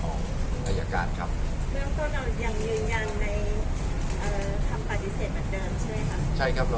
เรื่องต้นอย่างยืนยังในคำปฏิเสธเหมือนเดิมใช่ไหมครับ